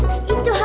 itu harus berpesona